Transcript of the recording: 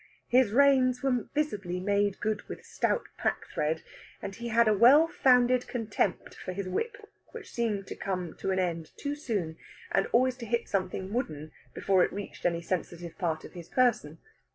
His reins were visibly made good with stout pack thread, and he had a well founded contempt for his whip, which seemed to come to an end too soon, and always to hit something wooden before it reached any sensitive part of his person.